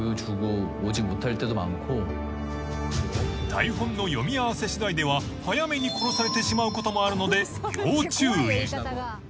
［台本の読み合わせしだいでは早めに殺されてしまうこともあるので要注意］